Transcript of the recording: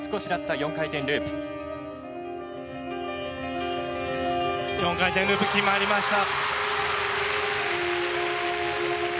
４回転ループ決まりました！